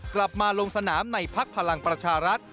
กลับมาลงสนามในพักพลังประชารัฐ